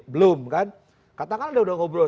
belum kan katakanlah udah ngobrol